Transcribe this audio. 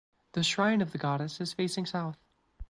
The shrine of the goddess is facing south.